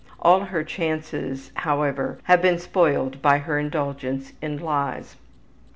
All her chances, however, have been spoiled by her indulgence in lies.